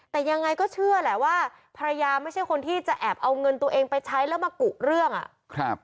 แต่ยังไงก็เชื่อแหละว่าภรรยาไม่ใช่คนที่จะแอบเอาเงินตัวเองไปใช้แล้วมากุเรื่องอ่ะครับ